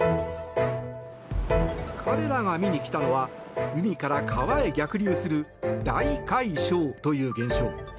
彼らが見に来たのは海から川へ逆流する大海嘯という現象。